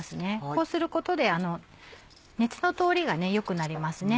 こうすることで熱の通りが良くなりますね